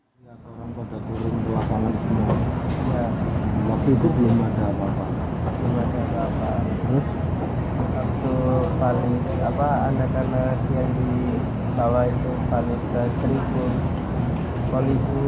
kepada koresponden kami roby sofwan amin yoga menceritakan paniknya para penonton ketika pintu stadion terkunci